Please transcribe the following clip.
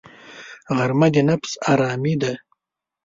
غرمه د نفس آرامي ده